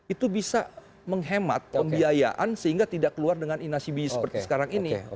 itu bisa menghemat pembiayaan sehingga tidak keluar dengan inasibi seperti sekarang ini